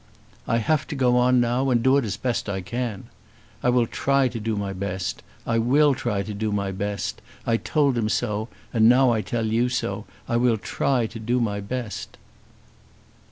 "I have to go on now, and do it as best I can. I will try to do my best. I will try to do my best. I told him so, and now I tell you so. I will try to do my best."